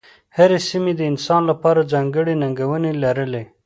هرې سیمې د انسان لپاره ځانګړې ننګونې لرلې.